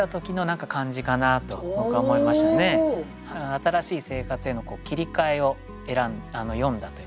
新しい生活への切り替えを詠んだといいますかね。